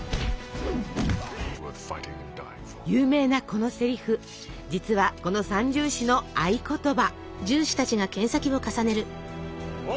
有名なこのせりふ実はこの三銃士の合言葉。